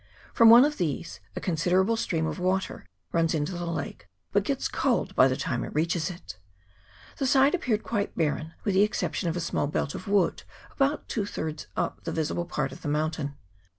From one of these a considerable stream of water runs into the lake, but gets cold by the time it reaches it. The side appeared quite barren, with the exception of a small belt of wood about two thirds up the visible part of the mountain.